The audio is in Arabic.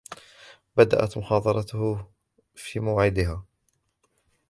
بدأت محاضرته في موعدها.